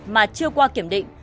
mà chưa qua kiểm định